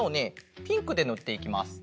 ピンクでぬっていきます。